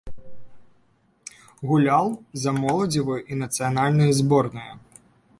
Гуляў за моладзевую і нацыянальную зборныя.